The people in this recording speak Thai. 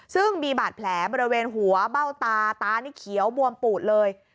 ซึ่งมีบาดแผลบริเวณหัวเบ้าตาตานี่เขียวบวมปูดเลย